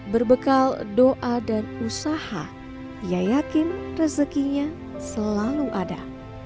berbekal doa dan usaha ia yakin rezekinya selalu ada